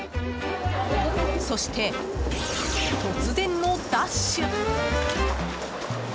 そして、突然のダッシュ。